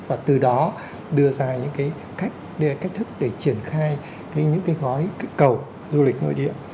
và từ đó đưa ra những cách thức để triển khai những gói kích cầu du lịch nội địa